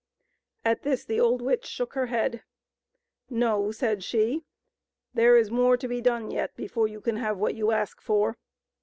At this the old witch shook her head. " No," said she, " there is more to be done yet before you can have what you ask for.